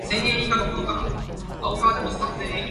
「奇」就是乙（日奇）、丙（月奇）、丁（星奇）三奇